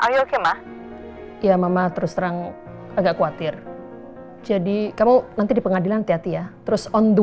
ayo oke lah ya mama terus terang agak khawatir jadi kamu nanti di pengadilan hati hati ya terus on the